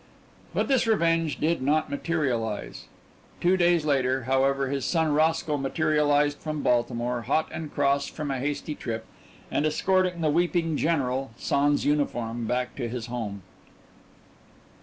But this revenge did not materialise. Two days later, however, his son Roscoe materialised from Baltimore, hot and cross from a hasty trip, and escorted the weeping general, sans uniform, back to his home.